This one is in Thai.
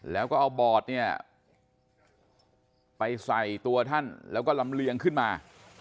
แล้วก็เอาบอดเนี่ยไปใส่ตัวท่านแล้วก็ลำเลียงขึ้นมา